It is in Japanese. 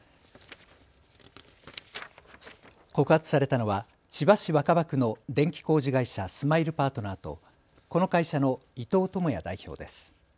告発されたのは千葉市若葉区の電気工事会社、スマイルパートナーとこの会社の伊藤友哉代表です。